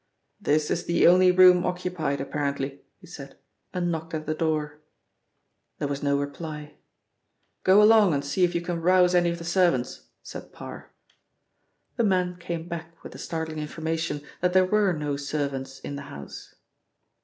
"This is the only room occupied apparently," he said, and knocked at the door. There was no reply. "Go along and see if you can rouse any of the servants," said Parr. The man came back with the startling information that there were no servants in the house.